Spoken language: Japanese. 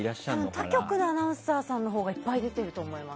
他局アナウンサーさんのほうがいっぱい出てると思います。